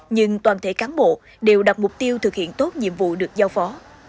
nhưng toàn thể cán bộ đều đặt mục tiêu thực hiện tốt nhiệm vụ được giao phó